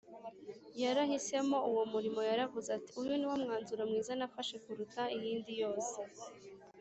yarahisemo uwo murimo Yaravuze ati uyu ni wo mwanzuro mwiza nafashe kuruta iyindi yose